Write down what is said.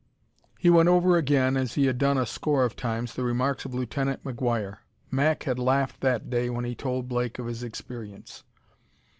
He went over again, as he had done a score of times, the remarks of Lieutenant McGuire. Mac had laughed that day when he told Blake of his experience.